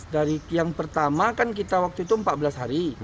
dari yang pertama kan kita waktu itu empat belas hari